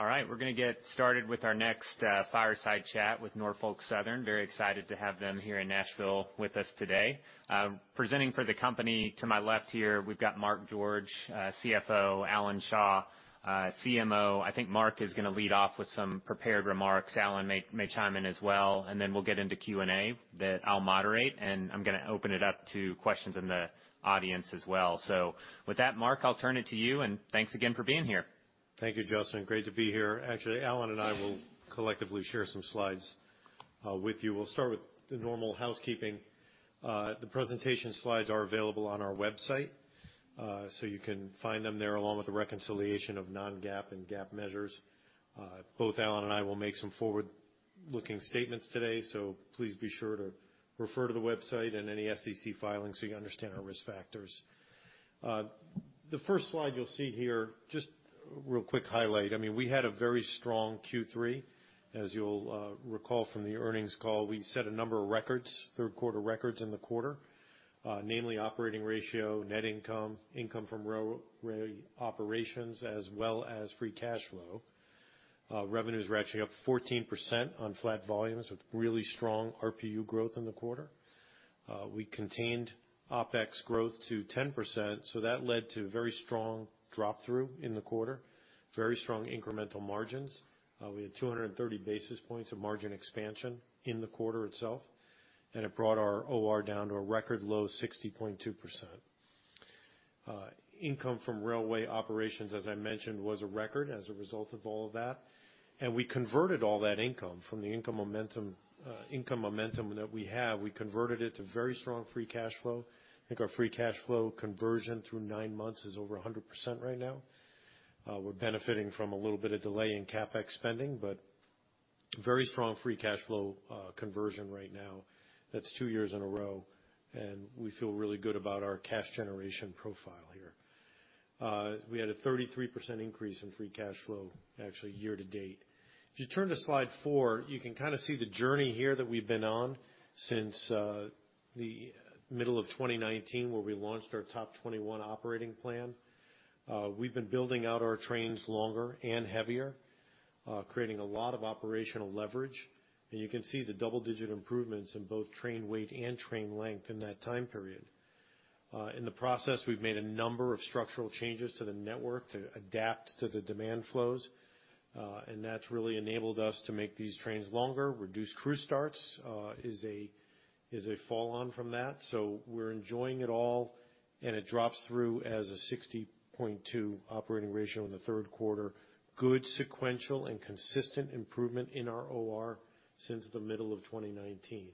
All right. We're going to get started with our next fireside chat with Norfolk Southern. Very excited to have them here in Nashville with us today. Presenting for the company to my left here, we've got Mark George, CFO; Alan Shaw, CMO. I think Mark is going to lead off with some prepared remarks. Alan may, may chime in as well. Then we'll get into Q&A that I'll moderate, and I'm going to open it up to questions in the audience as well. With that, Mark, I'll turn it to you, and thanks again for being here. Thank you, Justin. Great to be here. Actually, Alan and I will collectively share some slides with you. We'll start with the normal housekeeping. The presentation slides are available on our website, so you can find them there, along with the reconciliation of non-GAAP and GAAP measures. Both Alan and I will make some forward-looking statements today, so please be sure to refer to the website and any SEC filing so you understand our risk factors. The first slide you'll see here, just a real quick highlight. I mean, we had a very strong Q3. As you'll recall from the earnings call, we set a number of records, third-quarter records in the quarter, namely operating ratio, net income, income from raw operations, as well as free cash flow. Revenues were actually up 14% on flat volumes, with really strong RPU growth in the quarter. We contained OpEx growth to 10%, so that led to a very strong drop-through in the quarter, very strong incremental margins. We had 230 basis points of margin expansion in the quarter itself, and it brought our OR down to a record low of 60.2%. Income from railway operations, as I mentioned, was a record as a result of all of that. We converted all that income from the income momentum, income momentum that we have. We converted it to very strong free cash flow. I think our free cash flow conversion through nine months is over 100% right now. We are benefiting from a little bit of delay in CapEx spending, but very strong free cash flow, conversion right now. That is two years in a row, and we feel really good about our cash generation profile here. We had a 33% increase in free cash flow, actually, year to date. If you turn to slide four, you can kind of see the journey here that we've been on since the middle of 2019, where we launched our Top 21 operating plan. We've been building out our trains longer and heavier, creating a lot of operational leverage. You can see the double-digit improvements in both train weight and train length in that time period. In the process, we've made a number of structural changes to the network to adapt to the demand flows. That's really enabled us to make these trains longer, reduce crew starts, is a fall on from that. We are enjoying it all, and it drops through as a 60.2% operating ratio in the third quarter, good sequential and consistent improvement in our OR since the middle of 2019.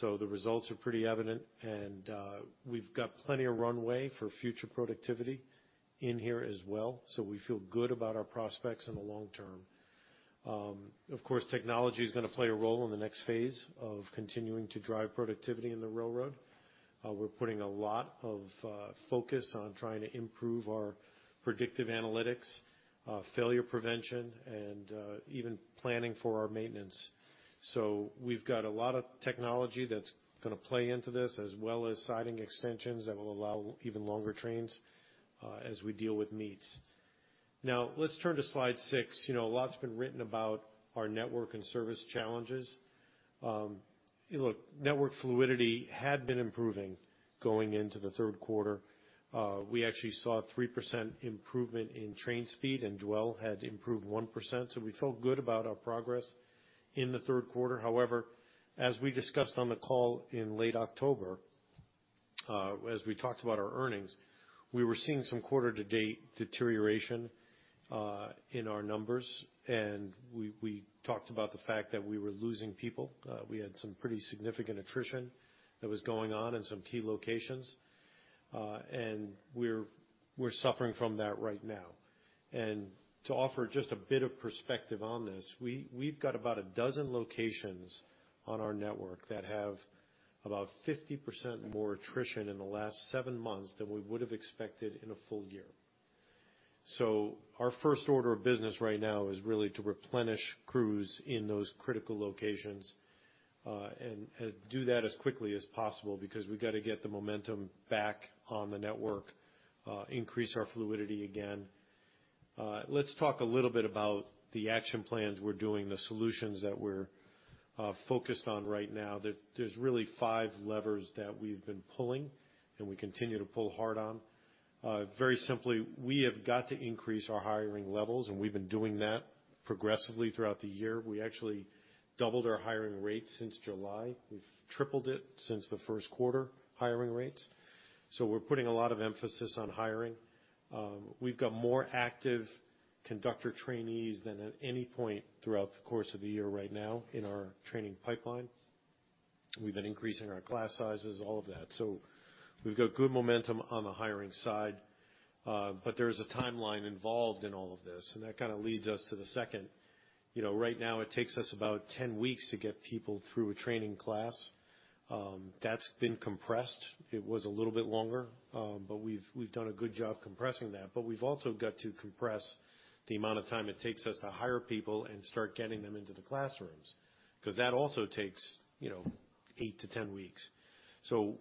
The results are pretty evident, and we've got plenty of runway for future productivity in here as well. We feel good about our prospects in the long term. Of course, technology is going to play a role in the next phase of continuing to drive productivity in the railroad. We're putting a lot of focus on trying to improve our predictive analytics, failure prevention, and even planning for our maintenance. We've got a lot of technology that's going to play into this, as well as siding extensions that will allow even longer trains, as we deal with meets. Now, let's turn to slide six. You know, a lot's been written about our network and service challenges. Look, network fluidity had been improving going into the third quarter. We actually saw a 3% improvement in train speed, and dwell had improved 1%. We felt good about our progress in the third quarter. However, as we discussed on the call in late October, as we talked about our earnings, we were seeing some quarter-to-date deterioration in our numbers. We talked about the fact that we were losing people. We had some pretty significant attrition that was going on in some key locations. We are suffering from that right now. To offer just a bit of perspective on this, we have about a dozen locations on our network that have about 50% more attrition in the last seven months than we would have expected in a full year. Our first order of business right now is really to replenish crews in those critical locations and do that as quickly as possible because we have to get the momentum back on the network, increase our fluidity again. Let's talk a little bit about the action plans we're doing, the solutions that we're focused on right now. There's really five levers that we've been pulling, and we continue to pull hard on. Very simply, we have got to increase our hiring levels, and we've been doing that progressively throughout the year. We actually doubled our hiring rate since July. We've tripled it since the first quarter hiring rates. So we're putting a lot of emphasis on hiring. We've got more active conductor trainees than at any point throughout the course of the year right now in our training pipeline. We've been increasing our class sizes, all of that. So we've got good momentum on the hiring side. There is a timeline involved in all of this. That kind of leads us to the second. You know, right now, it takes us about 10 weeks to get people through a training class. That's been compressed. It was a little bit longer, but we've done a good job compressing that. We've also got to compress the amount of time it takes us to hire people and start getting them into the classrooms because that also takes, you know, 8-10 weeks.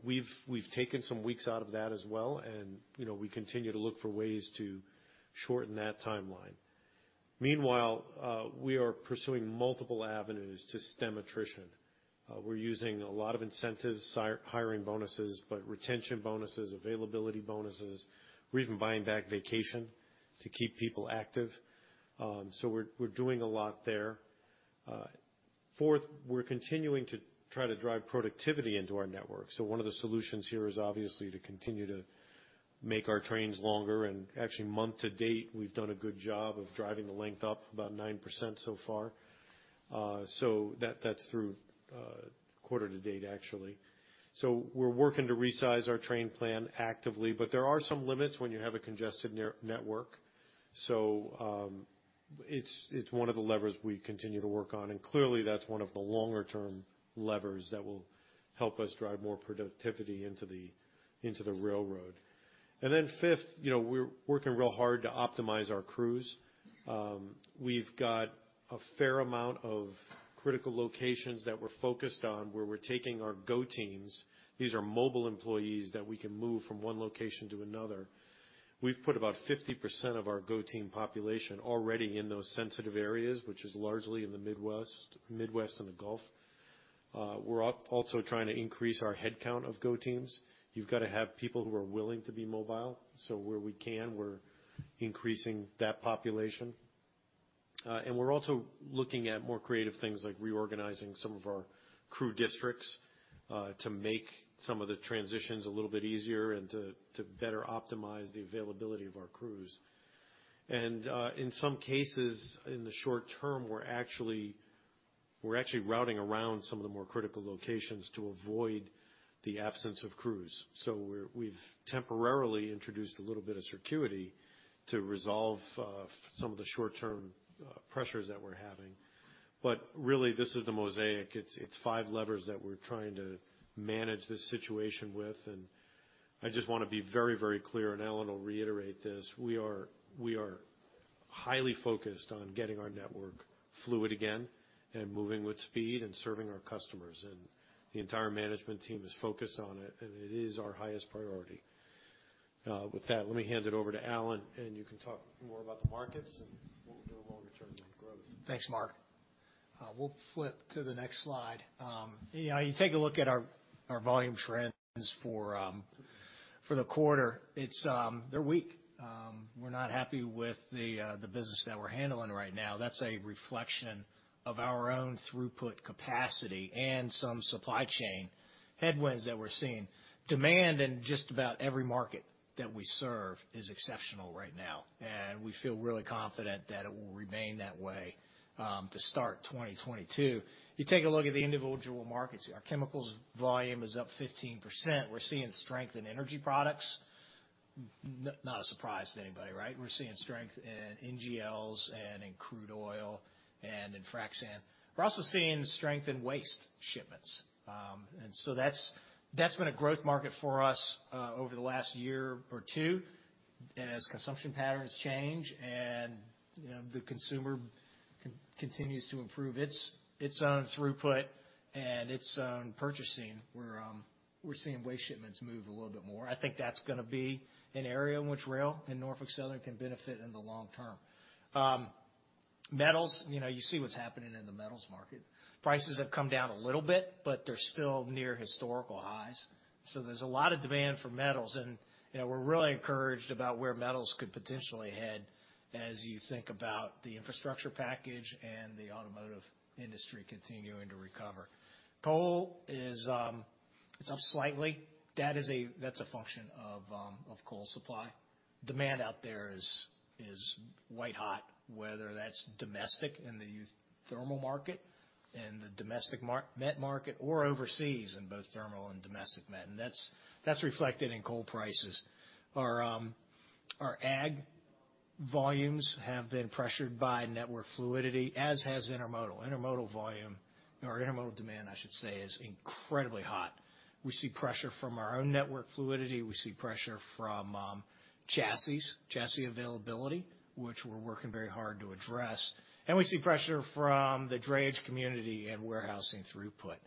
We've taken some weeks out of that as well. You know, we continue to look for ways to shorten that timeline. Meanwhile, we are pursuing multiple avenues to stem attrition. We're using a lot of incentives, hiring bonuses, retention bonuses, availability bonuses. We're even buying back vacation to keep people active. We're doing a lot there. Fourth, we're continuing to try to drive productivity into our network. One of the solutions here is obviously to continue to make our trains longer. Actually, month to date, we've done a good job of driving the length up about 9% so far. That is through, quarter to date, actually. We are working to resize our train plan actively, but there are some limits when you have a congested network. It is one of the levers we continue to work on. Clearly, that is one of the longer-term levers that will help us drive more productivity into the railroad. Fifth, you know, we're working real hard to optimize our crews. We've got a fair amount of critical locations that we're focused on where we're taking our go-teams. These are mobile employees that we can move from one location to another. We've put about 50% of our go-team population already in those sensitive areas, which is largely in the Midwest, Midwest, and the Gulf. We're also trying to increase our headcount of go-teams. You've got to have people who are willing to be mobile. Where we can, we're increasing that population. We're also looking at more creative things like reorganizing some of our crew districts to make some of the transitions a little bit easier and to better optimize the availability of our crews. In some cases, in the short term, we're actually routing around some of the more critical locations to avoid the absence of crews. We've temporarily introduced a little bit of circuity to resolve some of the short-term pressures that we're having. Really, this is the mosaic. It's five levers that we're trying to manage this situation with. I just want to be very, very clear, and Alan will reiterate this. We are highly focused on getting our network fluid again and moving with speed and serving our customers. The entire management team is focused on it, and it is our highest priority. With that, let me hand it over to Alan, and you can talk more about the markets and what we're doing longer-term on growth. Thanks, Mark. We'll flip to the next slide. You know, you take a look at our volume trends for the quarter. It's, they're weak. We're not happy with the business that we're handling right now. That's a reflection of our own throughput capacity and some supply chain headwinds that we're seeing. Demand in just about every market that we serve is exceptional right now. You know, we feel really confident that it will remain that way, to start 2022. You take a look at the individual markets. Our chemicals volume is up 15%. We're seeing strength in energy products. Not a surprise to anybody, right? We're seeing strength in NGLs and in crude oil and in frac sand. We're also seeing strength in waste shipments. That's been a growth market for us over the last year or two as consumption patterns change. You know, the consumer continues to improve its own throughput and its own purchasing. We're seeing waste shipments move a little bit more. I think that's going to be an area in which rail in Norfolk Southern can benefit in the long term. Metals, you know, you see what's happening in the metals market. Prices have come down a little bit, but they're still near historical highs. There is a lot of demand for metals. You know, we're really encouraged about where metals could potentially head as you think about the infrastructure package and the automotive industry continuing to recover. Coal is up slightly. That is a function of coal supply. Demand out there is white hot, whether that's domestic in the youth thermal market and the domestic met market or overseas in both thermal and domestic met. That's reflected in coal prices. Our ag volumes have been pressured by network fluidity, as has intermodal. Intermodal volume, or intermodal demand, I should say, is incredibly hot. We see pressure from our own network fluidity. We see pressure from chassis availability, which we're working very hard to address. We see pressure from the drayage community and warehousing throughput.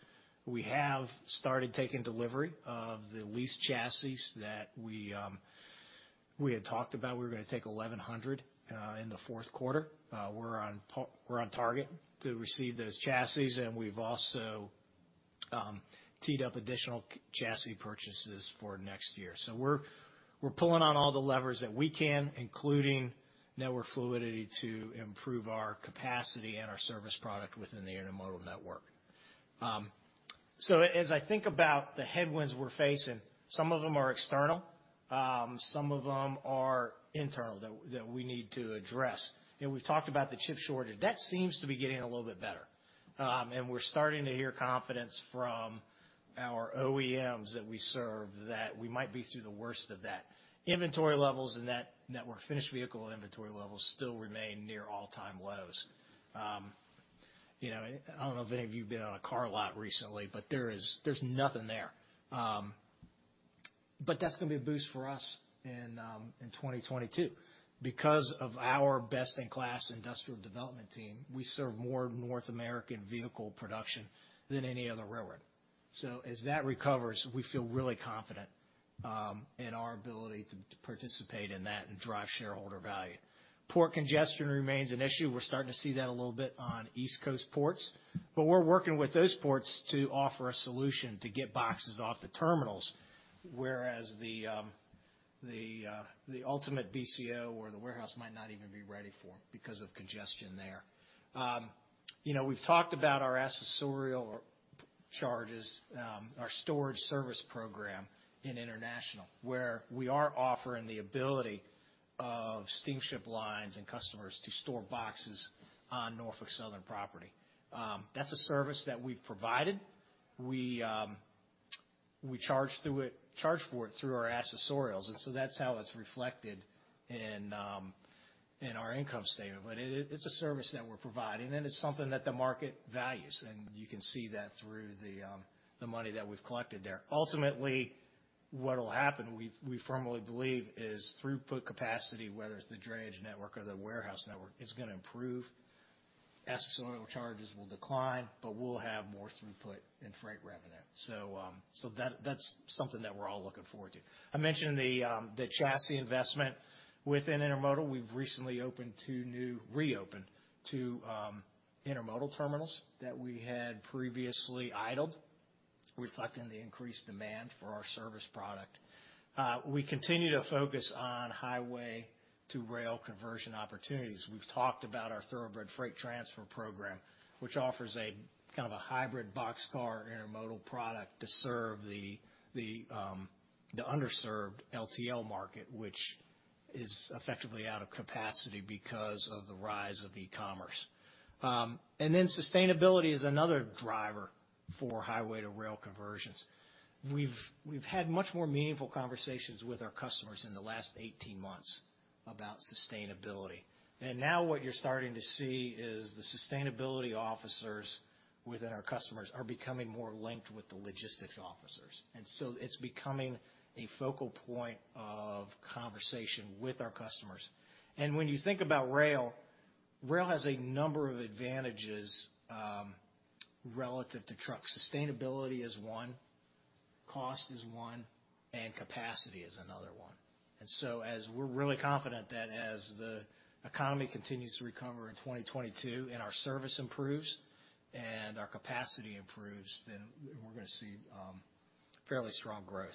We have started taking delivery of the lease chassis that we had talked about. We were going to take 1,100 in the fourth quarter. We're on target to receive those chassis. We've also teed up additional chassis purchases for next year. We're pulling on all the levers that we can, including network fluidity, to improve our capacity and our service product within the intermodal network. As I think about the headwinds we're facing, some of them are external. Some of them are internal that we need to address. You know, we've talked about the chip shortage. That seems to be getting a little bit better, and we're starting to hear confidence from our OEMs that we serve that we might be through the worst of that. Inventory levels and that network finished vehicle inventory levels still remain near all-time lows. You know, I don't know if any of you have been on a car lot recently, but there is, there's nothing there. That's going to be a boost for us in 2022 because of our best-in-class industrial development team. We serve more North American vehicle production than any other railroad. As that recovers, we feel really confident in our ability to participate in that and drive shareholder value. Port congestion remains an issue. We're starting to see that a little bit on East Coast ports, but we're working with those ports to offer a solution to get boxes off the terminals, whereas the ultimate BCO or the warehouse might not even be ready for because of congestion there. You know, we've talked about our accessorial charges, our storage service program in international, where we are offering the ability of steamship lines and customers to store boxes on Norfolk Southern property. That's a service that we've provided. We charge for it through our accessorials. That's how it's reflected in our income statement. It is a service that we're providing, and it's something that the market values. You can see that through the money that we've collected there. Ultimately, what will happen, we firmly believe, is throughput capacity, whether it's the drayage network or the warehouse network, is going to improve. Accessorial charges will decline, but we'll have more throughput in freight revenue. That is something that we're all looking forward to. I mentioned the chassis investment within intermodal. We've recently opened two new, reopened two intermodal terminals that we had previously idled, reflecting the increased demand for our service product. We continue to focus on highway to rail conversion opportunities. We've talked about our Thoroughbred freight transfer program, which offers a kind of a hybrid boxcar intermodal product to serve the underserved LTL market, which is effectively out of capacity because of the rise of e-commerce. Sustainability is another driver for highway to rail conversions. We've had much more meaningful conversations with our customers in the last 18 months about sustainability. Now what you're starting to see is the sustainability officers within our customers are becoming more linked with the logistics officers. It is becoming a focal point of conversation with our customers. When you think about rail, rail has a number of advantages, relative to trucks. Sustainability is one, cost is one, and capacity is another one. We are really confident that as the economy continues to recover in 2022 and our service improves and our capacity improves, we are going to see fairly strong growth.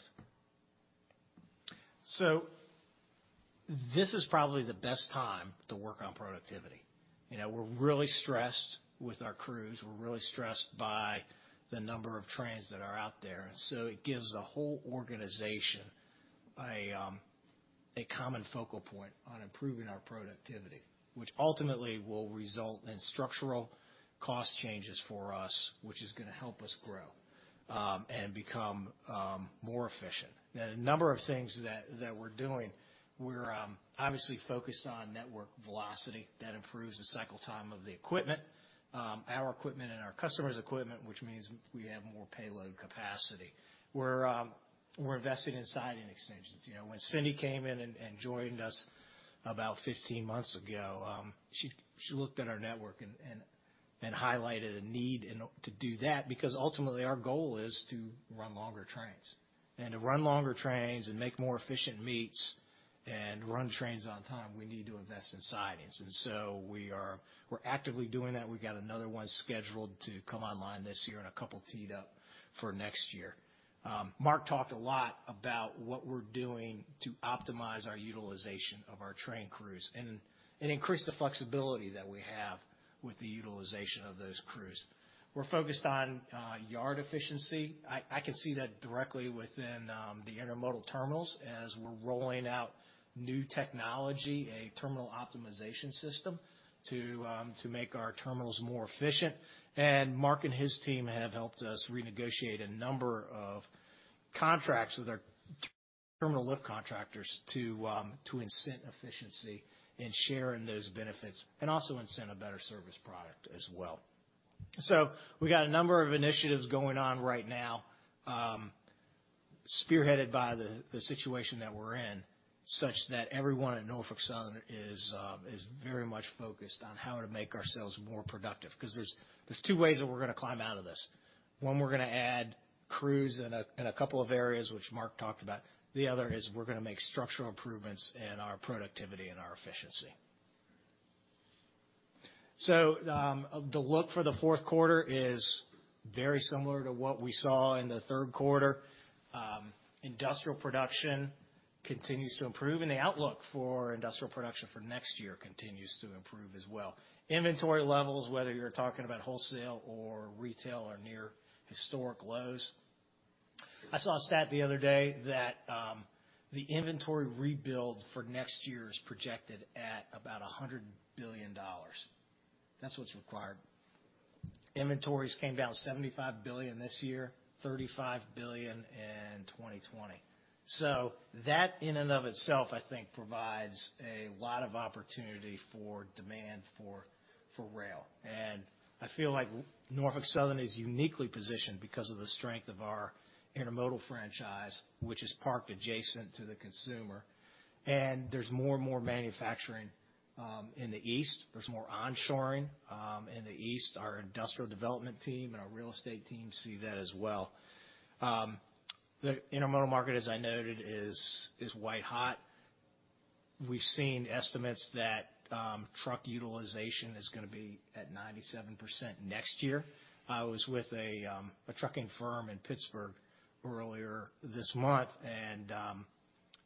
This is probably the best time to work on productivity. You know, we're really stressed with our crews. We're really stressed by the number of trains that are out there. It gives the whole organization a common focal point on improving our productivity, which ultimately will result in structural cost changes for us, which is going to help us grow and become more efficient. Now, the number of things that we're doing, we're obviously focused on network velocity that improves the cycle time of the equipment, our equipment and our customers' equipment, which means we have more payload capacity. We're investing in siding extensions. You know, when Cindy came in and joined us about 15 months ago, she looked at our network and highlighted a need to do that because ultimately our goal is to run longer trains. To run longer trains and make more efficient meets and run trains on time, we need to invest in sidings. We are actively doing that. We've got another one scheduled to come online this year and a couple teed up for next year. Mark talked a lot about what we're doing to optimize our utilization of our train crews and increase the flexibility that we have with the utilization of those crews. We're focused on yard efficiency. I can see that directly within the intermodal terminals as we're rolling out new technology, a terminal optimization system to make our terminals more efficient. Mark and his team have helped us renegotiate a number of contracts with our terminal lift contractors to incent efficiency and share in those benefits and also incent a better service product as well. We've got a number of initiatives going on right now, spearheaded by the situation that we're in, such that everyone at Norfolk Southern is very much focused on how to make ourselves more productive because there's two ways that we're going to climb out of this. One, we're going to add crews in a couple of areas, which Mark talked about. The other is we're going to make structural improvements in our productivity and our efficiency. The look for the fourth quarter is very similar to what we saw in the third quarter. Industrial production continues to improve, and the outlook for industrial production for next year continues to improve as well. Inventory levels, whether you're talking about wholesale or retail, are near historic lows. I saw a stat the other day that the inventory rebuild for next year is projected at about $100 billion. That's what's required. Inventories came down $75 billion this year, $35 billion in 2020. That in and of itself, I think, provides a lot of opportunity for demand for rail. I feel like Norfolk Southern is uniquely positioned because of the strength of our intermodal franchise, which is parked adjacent to the consumer. There is more and more manufacturing in the east. There is more onshoring in the east. Our industrial development team and our real estate team see that as well. The intermodal market, as I noted, is white hot. We've seen estimates that truck utilization is going to be at 97% next year. I was with a trucking firm in Pittsburgh earlier this month, and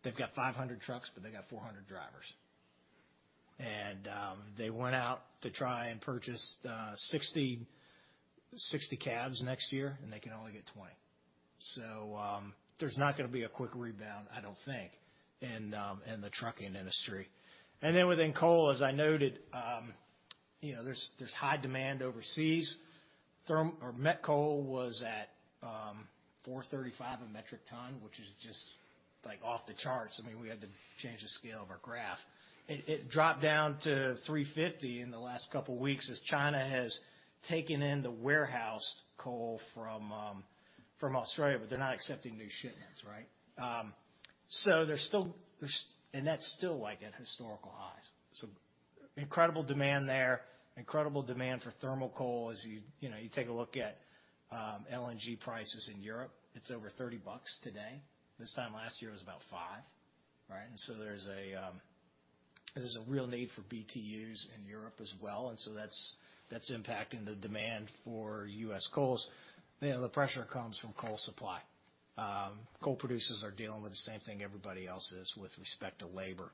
they've got 500 trucks, but they've got 400 drivers. They went out to try and purchase 60 cabs next year, and they can only get 20. There is not going to be a quick rebound, I do not think, in the trucking industry. Within coal, as I noted, there is high demand overseas. Therm or Metcoal was at $435 a metric ton, which is just like off the charts. I mean, we had to change the scale of our graph. It dropped down to $350 in the last couple of weeks as China has taken in the warehoused coal from Australia, but they are not accepting new shipments, right? There is still, and that is still at historical highs. Incredible demand there, incredible demand for thermal coal. As you take a look at LNG prices in Europe, it is over $30 today. This time last year it was about five, right? There's a real need for BTUs in Europe as well. That's impacting the demand for U.S. coals. You know, the pressure comes from coal supply. Coal producers are dealing with the same thing everybody else is with respect to labor.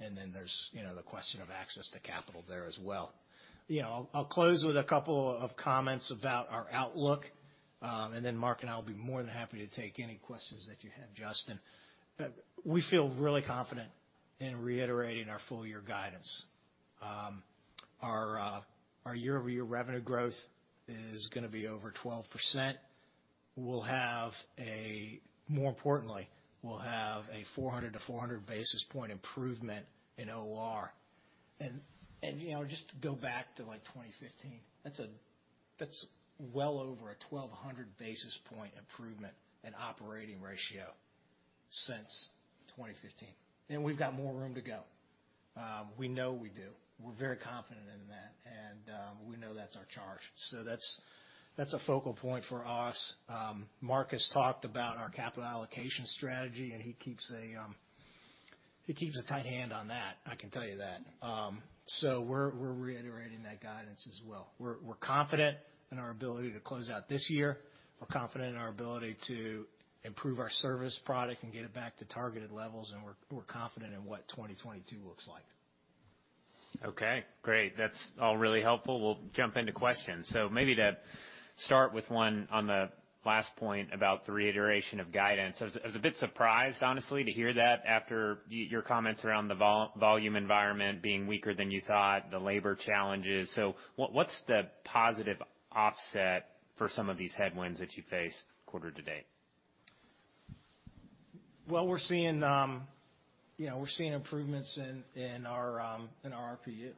Then there's the question of access to capital there as well. You know, I'll close with a couple of comments about our outlook. Mark and I will be more than happy to take any questions that you have, Justin. We feel really confident in reiterating our full-year guidance. Our year-over-year revenue growth is going to be over 12%. More importantly, we'll have a 400-400 basis point improvement in OR. You know, just go back to like 2015. That's well over a 1,200 basis point improvement in operating ratio since 2015. And we've got more room to go. We know we do. We're very confident in that. We know that's our charge. That's a focal point for us. Mark has talked about our capital allocation strategy, and he keeps a tight hand on that. I can tell you that. We're reiterating that guidance as well. We're confident in our ability to close out this year. We're confident in our ability to improve our service product and get it back to targeted levels. We're confident in what 2022 looks like. Okay. Great. That's all really helpful. We'll jump into questions. Maybe to start with one on the last point about the reiteration of guidance. I was, I was a bit surprised, honestly, to hear that after your comments around the volume environment being weaker than you thought, the labor challenges. What, what's the positive offset for some of these headwinds that you face quarter to date? We're seeing, you know, we're seeing improvements in, in our, in our RPU.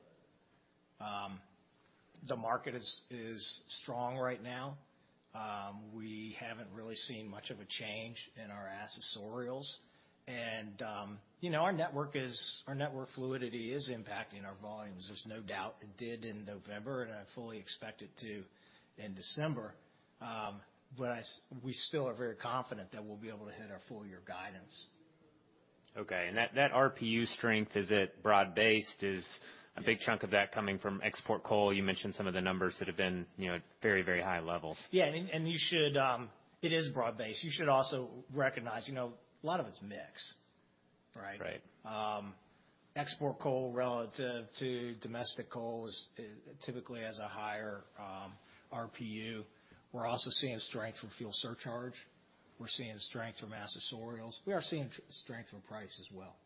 The market is, is strong right now. We haven't really seen much of a change in our accessorials. And, you know, our network is, our network fluidity is impacting our volumes. There's no doubt it did in November, and I fully expect it to in December. I still are very confident that we'll be able to hit our full-year guidance. Okay. That, that RPU strength, is it broad-based? Is a big chunk of that coming from export coal? You mentioned some of the numbers that have been, you know, very, very high levels. Yeah. And you should, it is broad-based. You should also recognize, you know, a lot of it's mix, right? Right. Export coal relative to domestic coal is, is typically has a higher RPU. We're also seeing strength from fuel surcharge. We're seeing strength from accessorials. We are seeing strength from price as well.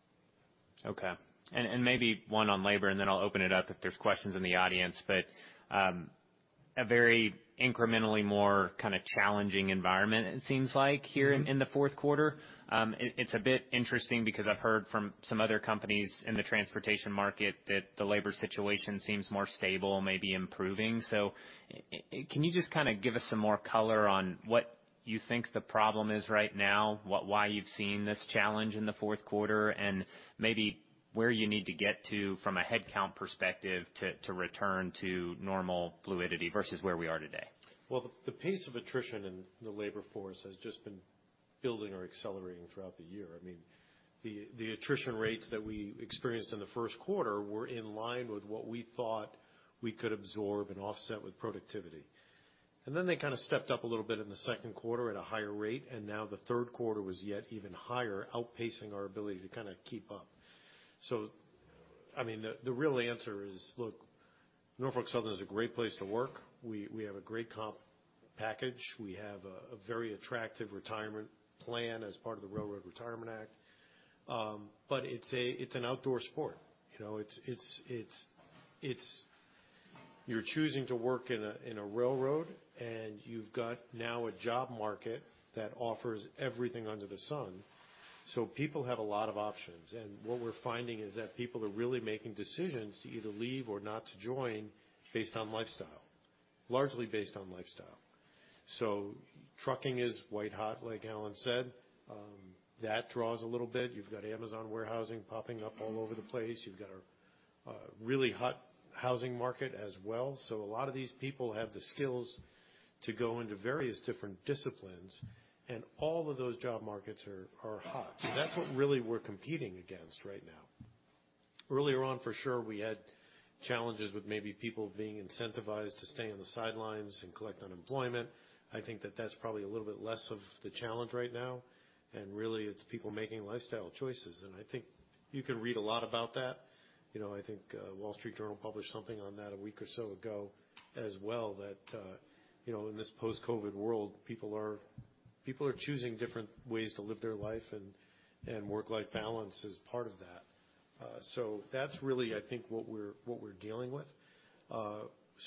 Okay. And maybe one on labor, and then I'll open it up if there's questions in the audience. But a very incrementally more kind of challenging environment, it seems like here in, in the fourth quarter. It, it's a bit interesting because I've heard from some other companies in the transportation market that the labor situation seems more stable, maybe improving. Can you just kind of give us some more color on what you think the problem is right now, what, why you've seen this challenge in the fourth quarter, and maybe where you need to get to from a headcount perspective to return to normal fluidity versus where we are today? The pace of attrition in the labor force has just been building or accelerating throughout the year. I mean, the attrition rates that we experienced in the first quarter were in line with what we thought we could absorb and offset with productivity. They kind of stepped up a little bit in the second quarter at a higher rate, and now the third quarter was yet even higher, outpacing our ability to kind of keep up. I mean, the real answer is, look, Norfolk Southern is a great place to work. We have a great comp package. We have a very attractive retirement plan as part of the Railroad Retirement Act. It's an outdoor sport. You know, it's, it's, you're choosing to work in a railroad, and you've got now a job market that offers everything under the sun. People have a lot of options. What we're finding is that people are really making decisions to either leave or not to join based on lifestyle, largely based on lifestyle. Trucking is white hot, like Alan said. That draws a little bit. You've got Amazon warehousing popping up all over the place. You've got a really hot housing market as well. A lot of these people have the skills to go into various different disciplines, and all of those job markets are hot. That's what really we're competing against right now. Earlier on, for sure, we had challenges with maybe people being incentivized to stay on the sidelines and collect unemployment. I think that that's probably a little bit less of the challenge right now. Really, it's people making lifestyle choices. I think you can read a lot about that. You know, I think Wall Street Journal published something on that a week or so ago as well that, you know, in this post-COVID world, people are choosing different ways to live their life and work-life balance is part of that. That's really, I think, what we're dealing with.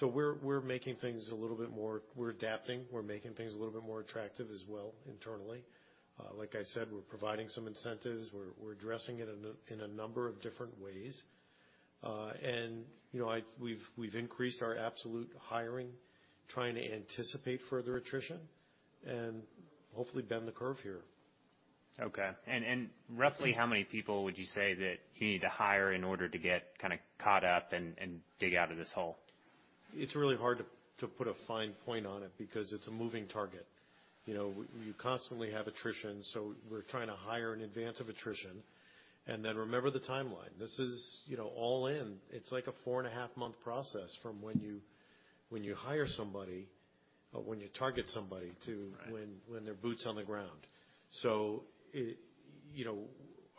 We're making things a little bit more, we're adapting, we're making things a little bit more attractive as well internally. Like I said, we're providing some incentives. We're addressing it in a number of different ways. And, you know, I, we've increased our absolute hiring, trying to anticipate further attrition and hopefully bend the curve here. Okay. And roughly how many people would you say that you need to hire in order to get kind of caught up and dig out of this hole? It's really hard to put a fine point on it because it's a moving target. You know, we constantly have attrition, so we're trying to hire in advance of attrition. And then remember the timeline. This is, you know, all in. It's like a four-and-a-half-month process from when you, when you hire somebody, when you target somebody to when they're boots on the ground.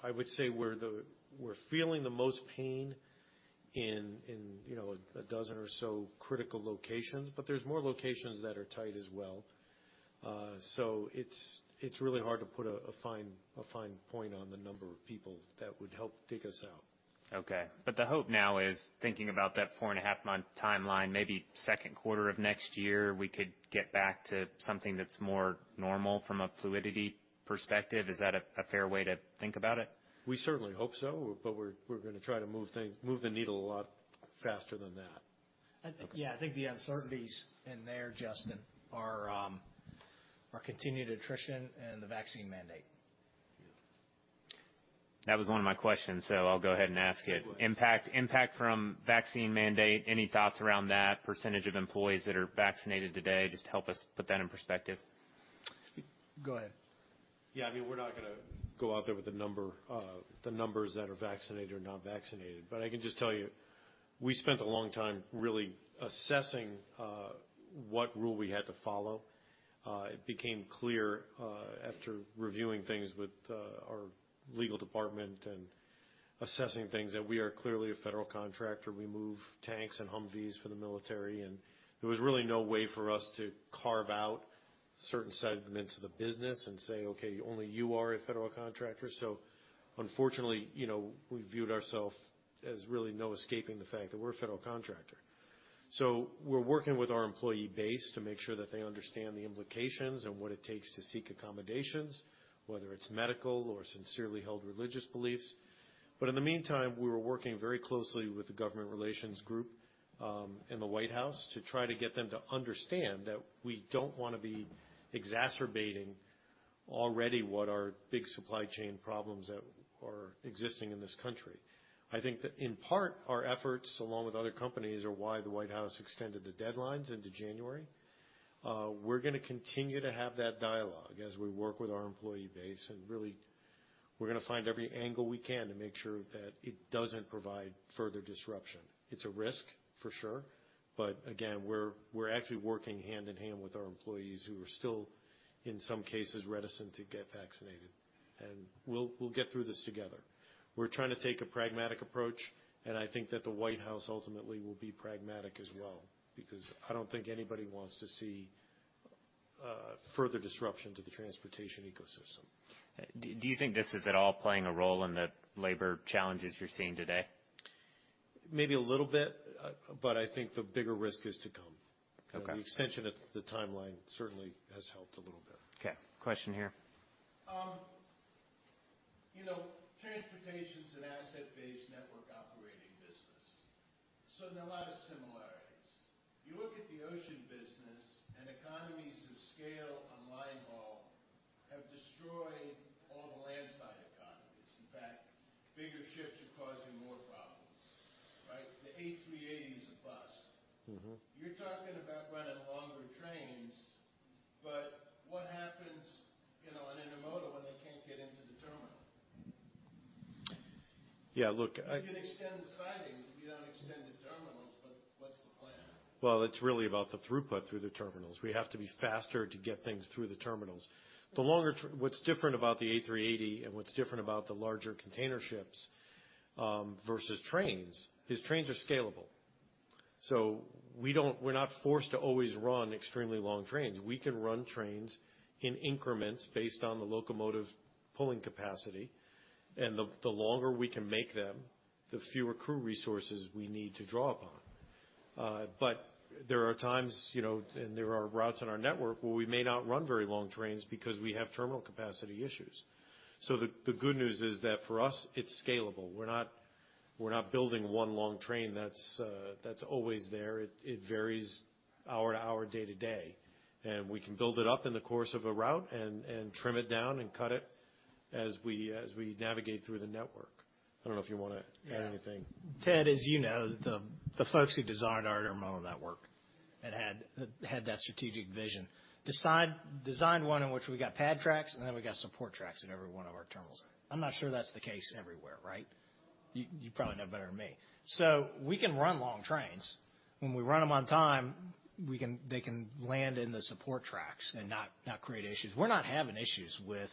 I would say we're feeling the most pain in, you know, a dozen or so critical locations, but there are more locations that are tight as well. It's really hard to put a fine point on the number of people that would help dig us out. Okay. The hope now is, thinking about that four-and-a-half-month timeline, maybe second quarter of next year, we could get back to something that's more normal from a fluidity perspective. Is that a fair way to think about it? We certainly hope so, but we're going to try to move the needle a lot faster than that. I think, yeah, I think the uncertainties in there, Justin, are continued attrition and the vaccine mandate. Yeah. That was one of my questions, so I'll go ahead and ask it. Impact, impact from vaccine mandate, any thoughts around that percentage of employees that are vaccinated today? Just help us put that in perspective. Go ahead. Yeah. I mean, we're not going to go out there with a number, the numbers that are vaccinated or not vaccinated. But I can just tell you, we spent a long time really assessing what rule we had to follow. It became clear, after reviewing things with our legal department and assessing things, that we are clearly a federal contractor. We move tanks and Humvees for the military, and there was really no way for us to carve out certain segments of the business and say, "Okay, only you are a federal contractor." Unfortunately, you know, we viewed ourselves as really no escaping the fact that we're a federal contractor. We are working with our employee base to make sure that they understand the implications and what it takes to seek accommodations, whether it's medical or sincerely held religious beliefs. In the meantime, we were working very closely with the government relations group, in the White House to try to get them to understand that we don't want to be exacerbating already what are big supply chain problems that are existing in this country. I think that in part our efforts, along with other companies, are why the White House extended the deadlines into January. We're going to continue to have that dialogue as we work with our employee base. Really, we're going to find every angle we can to make sure that it doesn't provide further disruption. It's a risk for sure. Again, we're actually working hand in hand with our employees who are still, in some cases, reticent to get vaccinated. We'll get through this together. We're trying to take a pragmatic approach, and I think that the White House ultimately will be pragmatic as well because I don't think anybody wants to see further disruption to the transportation ecosystem. Do you think this is at all playing a role in the labor challenges you're seeing today? Maybe a little bit, but I think the bigger risk is to come. The extension of the timeline certainly has helped a little bit. Question here. You know, transportation's an asset-based network operating business. So there are a lot of similarities. You look at the ocean business, and economies of scale on line haul have destroyed all the landside economies. In fact, bigger ships are causing more problems, right? The A380 is a bust. Mm-hmm. You're talking about running longer trains, but what happens, [you know, on an intermodal when they can't get into the terminal?] Yeah. Look, you can extend the sidings if you don't extend the terminals, but what's the plan? It's really about the throughput through the terminals. We have to be faster to get things through the terminals. What's different about the A380 and what's different about the larger container ships, versus trains is trains are scalable. So we don't, we're not forced to always run extremely long trains. We can run trains in increments based on the locomotive pulling capacity. The longer we can make them, the fewer crew resources we need to draw upon. There are times, you know, and there are routes in our network where we may not run very long trains because we have terminal capacity issues. The good news is that for us, it's scalable. We're not building one long train that's always there. It varies hour to hour, day to day. We can build it up in the course of a route and trim it down and cut it as we navigate through the network. I don't know if you want to add anything. Yeah. Ted, as you know, the folks who designed our terminal network and had that strategic vision designed one in which we got pad tracks and then we got support tracks at every one of our terminals. I'm not sure that's the case everywhere, right? You probably know better than me. We can run long trains. When we run them on time, they can land in the support tracks and not create issues. We're not having issues with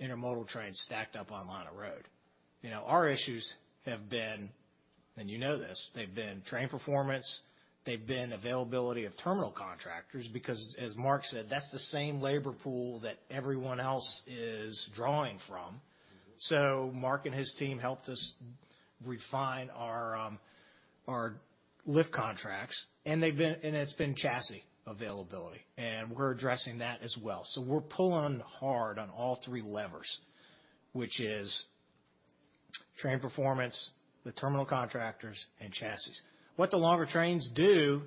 intermodal trains stacked up on line of road. You know, our issues have been, and you know this, they've been train performance. They've been availability of terminal contractors because, as Mark said, that's the same labor pool that everyone else is drawing from. Mark and his team helped us refine our lift contracts. It's been chassis availability. We're addressing that as well. We're pulling hard on all three levers, which is train performance, the terminal contractors, and chassis. What the longer trains do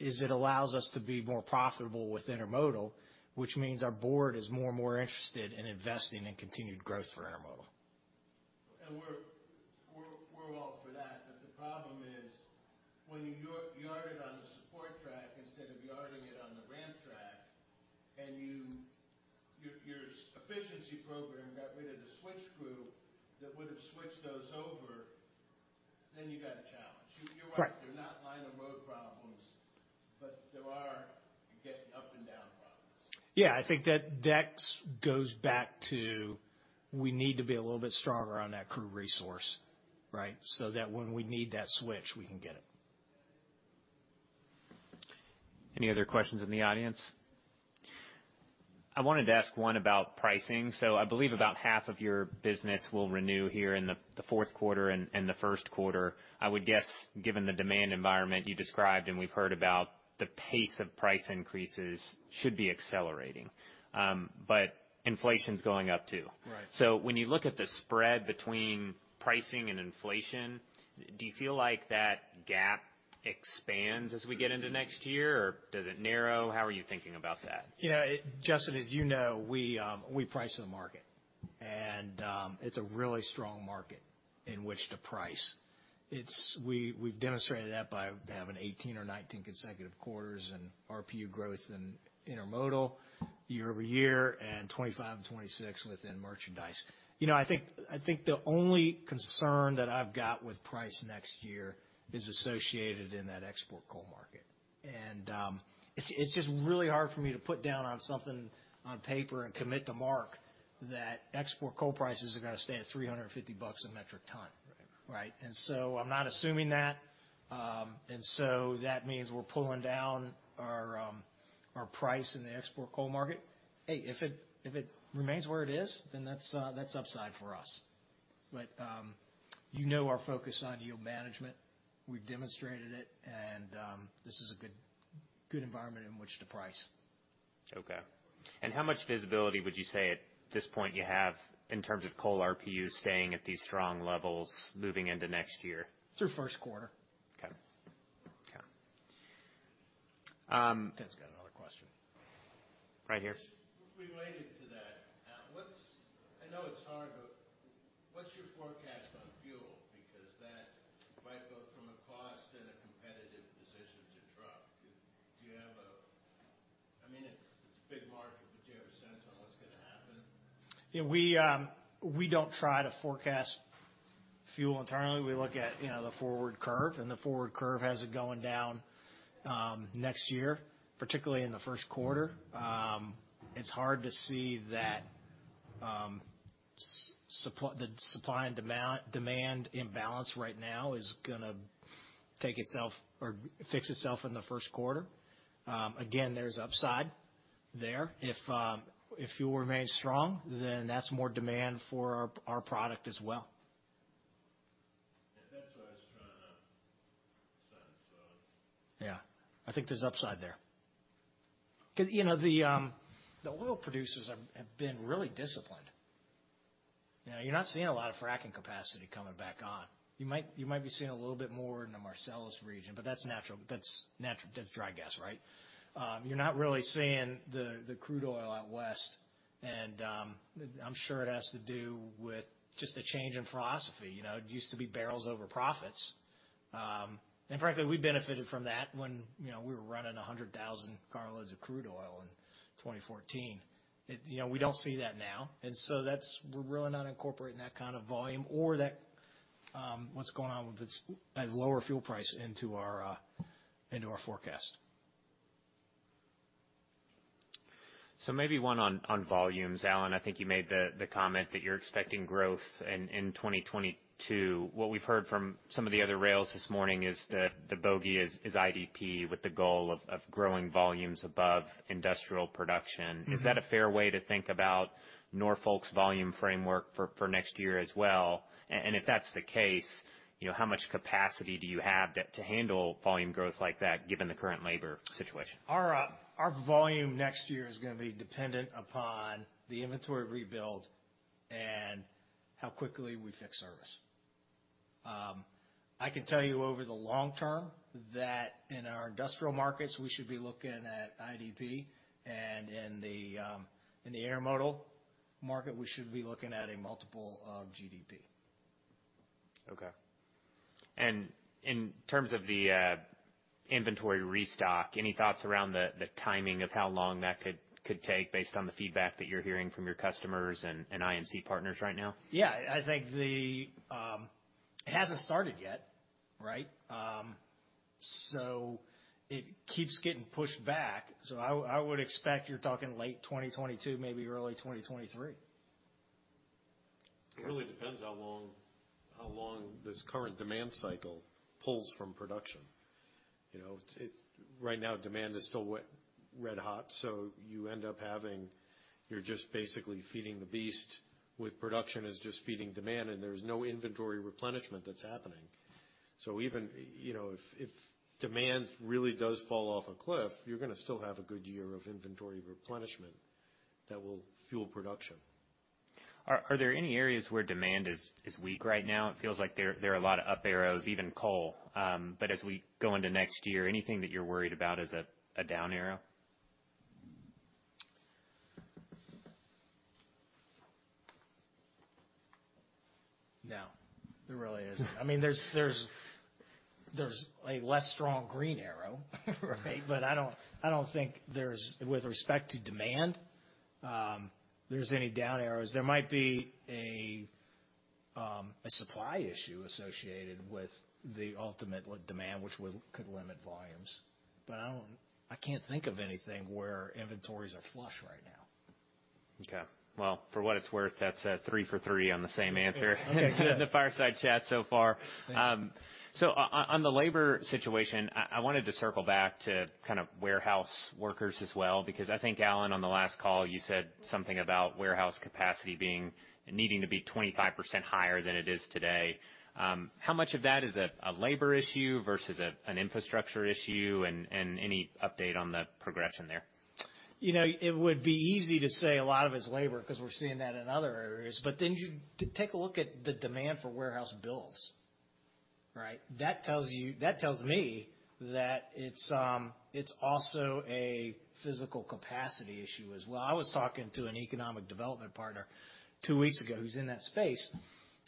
is it allows us to be more profitable with intermodal, which means our board is more and more interested in investing in continued growth for intermodal. We're all for that. The problem is when you yard it on the support track instead of yarding it on the ramp track, and your efficiency program got rid of the switch group that would have switched those over, then you got a challenge. You're right. They're not line of road problems, but there are getting up and down problems. I think that DEX goes back to we need to be a little bit stronger on that crew resource, right, so that when we need that switch, we can get it. Any other questions in the audience? I wanted to ask one about pricing. I believe about half of your business will renew here in the fourth quarter and the first quarter. I would guess, given the demand environment you described, and we've heard about the pace of price increases should be accelerating. Inflation's going up too. Right. When you look at the spread between pricing and inflation, do you feel like that gap expands as we get into next year, or does it narrow? How are you thinking about that? You know, Justin, as you know, we price the market. It's a really strong market in which to price. We have demonstrated that by having 18 or 19 consecutive quarters in RPU growth in intermodal year-over-year and 25 and 26 within merchandise. You know, I think the only concern that I've got with price next year is associated in that export coal market. It's just really hard for me to put down on something on paper and commit to Mark that export coal prices are going to stay at $350 a metric ton. Right. Right. I am not assuming that. That means we are pulling down our price in the export coal market. Hey, if it remains where it is, then that's upside for us. You know, our focus on yield management, we have demonstrated it, and this is a good environment in which to price. Okay. How much visibility would you say at this point you have in terms of coal RPU staying at these strong levels moving into next year? Through first quarter. Okay. Ted's got another question. Right here. Related to that, what's, I know it's hard, but what's your forecast on fuel? Because that might go from a cost and a competitive position to truck. Do you have a, I mean, it's, it's a big market, but do you have a sense on what's going to happen? Yeah. We don't try to forecast fuel internally. We look at, you know, the forward curve, and the forward curve has it going down, next year, particularly in the first quarter. It's hard to see that, supply, the supply and demand, demand imbalance right now is going to take itself or fix itself in the first quarter. Again, there's upside there. If fuel remains strong, then that's more demand for our product as well. [That's what I was trying to sense.] Yeah. I think there's upside there. Because, you know, the oil producers have been really disciplined. You know, you're not seeing a lot of fracking capacity coming back on. You might be seeing a little bit more in the Marcellus region, but that's natural. That's natural. That's dry gas, right? You're not really seeing the crude oil out west. I'm sure it has to do with just a change in philosophy. You know, it used to be barrels over profits. And frankly, we benefited from that when, you know, we were running 100,000 cartons of crude oil in 2014. You know, we don't see that now. That is, we are really not incorporating that kind of volume or what is going on with this lower fuel price into our forecast. Maybe one on volumes, Alan. I think you made the comment that you are expecting growth in 2022. What we have heard from some of the other rails this morning is the bogey is IDP with the goal of growing volumes above industrial production. Is that a fair way to think about Norfolk Southern's volume framework for next year as well? If that is the case, you know, how much capacity do you have to handle volume growth like that given the current labor situation? Our volume next year is going to be dependent upon the inventory rebuild and how quickly we fix service. I can tell you over the long term that in our industrial markets, we should be looking at IDP. In the intermodal market, we should be looking at a multiple of GDP. Okay. In terms of the inventory restock, any thoughts around the timing of how long that could take based on the feedback that you're hearing from your customers and IMC partners right now? Yeah. I think it hasn't started yet, right? It keeps getting pushed back. I would expect you're talking late 2022, maybe early 2023. It really depends how long this current demand cycle pulls from production. You know, right now, demand is still red hot. You end up having, you're just basically feeding the beast with production just feeding demand, and there's no inventory replenishment that's happening. Even, you know, if demand really does fall off a cliff, you're going to still have a good year of inventory replenishment that will fuel production. Are there any areas where demand is weak right now? It feels like there are a lot of up arrows, even coal. As we go into next year, anything that you're worried about as a down arrow? No. There really isn't. I mean, there's a less strong green arrow, right? I don't think there's, with respect to demand, any down arrows. There might be a supply issue associated with the ultimate demand, which could limit volumes. I don't, I can't think of anything where inventories are flush right now. For what it's worth, that's a three for three on the same answer. Good. The fireside chat so far. On the labor situation, I wanted to circle back to kind of warehouse workers as well because I think, Alan, on the last call, you said something about warehouse capacity needing to be 25% higher than it is today. How much of that is a labor issue versus an infrastructure issue, and any update on the progression there? You know, it would be easy to say a lot of it's labor because we're seeing that in other areas. Then you take a look at the demand for warehouse builds, right? That tells you, that tells me that it's also a physical capacity issue as well. I was talking to an economic development partner two weeks ago who's in that space,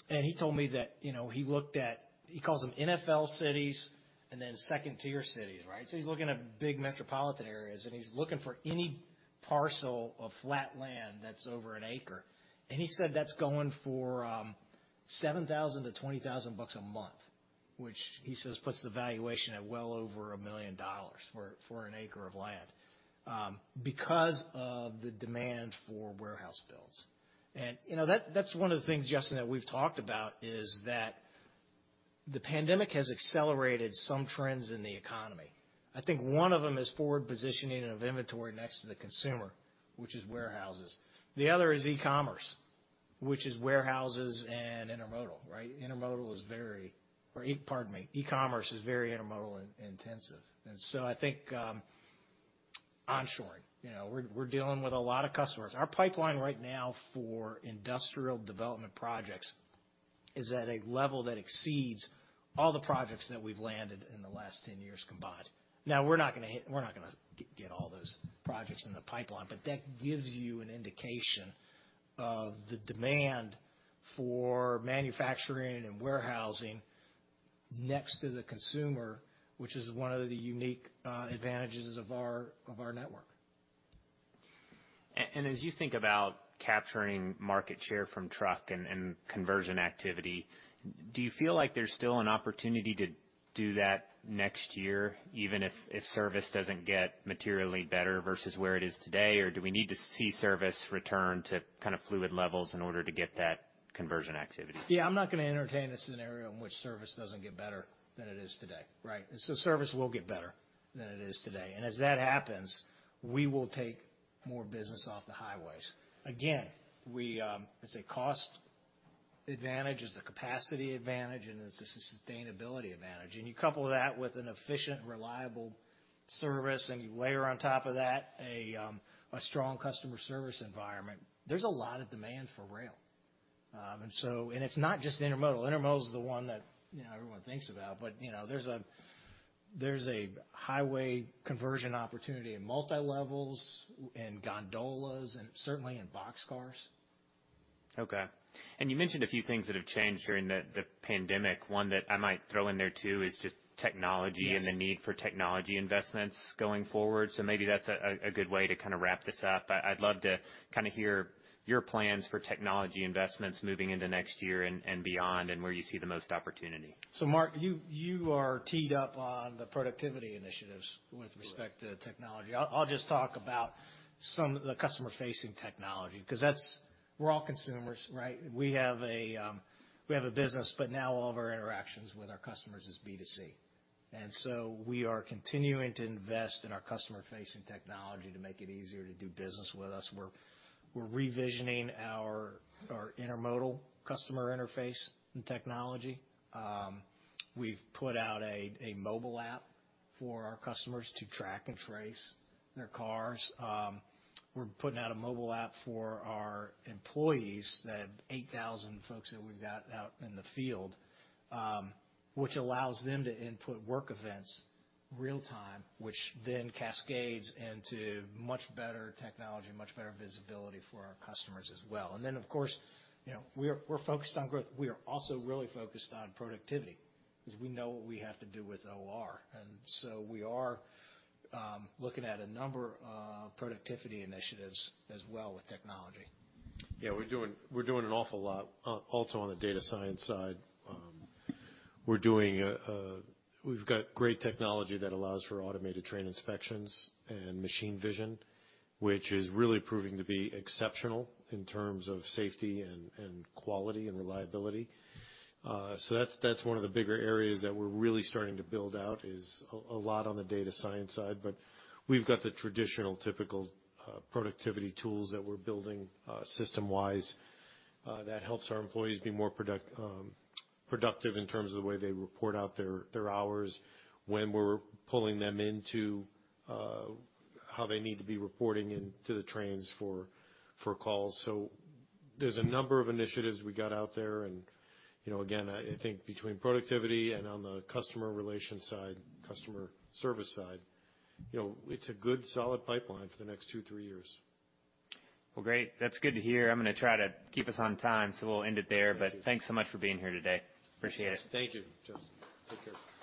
and he told me that, you know, he looked at, he calls them NFL cities and then second tier cities, right? He’s looking at big metropolitan areas, and he's looking for any parcel of flat land that's over an acre. He said that's going for $7,000-$20,000 a month, which he says puts the valuation at well over a million dollars for an acre of land, because of the demand for warehouse builds. You know, that's one of the things, Justin, that we've talked about is that the pandemic has accelerated some trends in the economy. I think one of them is forward positioning of inventory next to the consumer, which is warehouses. The other is e-commerce, which is warehouses and intermodal, right? E-commerce is very intermodal intensive. I think onshoring, you know, we're dealing with a lot of customers. Our pipeline right now for industrial development projects is at a level that exceeds all the projects that we've landed in the last 10 years combined. Now, we're not going to get all those projects in the pipeline, but that gives you an indication of the demand for manufacturing and warehousing next to the consumer, which is one of the unique advantages of our network. As you think about capturing market share from truck and conversion activity, do you feel like there's still an opportunity to do that next year, even if service doesn't get materially better versus where it is today? Do we need to see service return to kind of fluid levels in order to get that conversion activity? Yeah. I'm not going to entertain a scenario in which service doesn't get better than it is today, right? Service will get better than it is today. As that happens, we will take more business off the highways. We, it's a cost advantage, it's a capacity advantage, and it's a sustainability advantage. You couple that with an efficient, reliable service, and you layer on top of that a strong customer service environment, there's a lot of demand for rail. It's not just intermodal. Intermodal is the one that, you know, everyone thinks about, but, you know, there's a highway conversion opportunity in multi-levels and gondolas and certainly in boxcars. Okay. You mentioned a few things that have changed during the pandemic. One that I might throw in there too is just technology and the need for technology investments going forward. Maybe that is a good way to kind of wrap this up. I would love to kind of hear your plans for technology investments moving into next year and beyond and where you see the most opportunity. Mark, you are teed up on the productivity initiatives with respect to technology. I will just talk about some of the customer-facing technology because that is, we are all consumers, right? We have a business, but now all of our interactions with our customers is B2C. We are continuing to invest in our customer-facing technology to make it easier to do business with us. We are revisioning our intermodal customer interface and technology. We've put out a mobile app for our customers to track and trace their cars. We're putting out a mobile app for our employees, the 8,000 folks that we've got out in the field, which allows them to input work events real time, which then cascades into much better technology, much better visibility for our customers as well. Of course, you know, we're focused on growth. We are also really focused on productivity because we know what we have to do with OR. We are looking at a number of productivity initiatives as well with technology. Yeah. We're doing an awful lot, also on the data science side. We're doing a, we've got great technology that allows for automated train inspections and machine vision, which is really proving to be exceptional in terms of safety and quality and reliability. That's one of the bigger areas that we're really starting to build out, a lot on the data science side. We've got the traditional, typical productivity tools that we're building, system-wise, that help our employees be more productive in terms of the way they report out their hours when we're pulling them into how they need to be reporting into the trains for calls. There are a number of initiatives we got out there. You know, I think between productivity and on the customer relation side, customer service side, it's a good solid pipeline for the next two, three years. Great, that's good to hear. I'm going to try to keep us on time, so we'll end it there. Thanks so much for being here today. Appreciate it. Thank you, Justin. Take care.